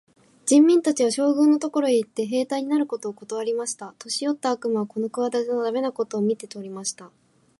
人民たちは、将軍のところへ行って、兵隊になることをことわりました。年よった悪魔はこの企ての駄目なことを見て取りました。